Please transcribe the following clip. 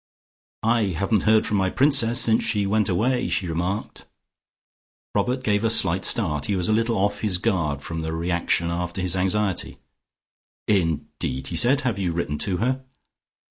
"I haven't heard from my Princess since she went away," she remarked. Robert gave a slight start; he was a little off his guard from the reaction after his anxiety. "Indeed!" he said. "Have you written to her?"